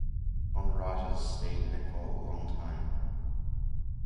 Gond Rajas stayed in it for long time.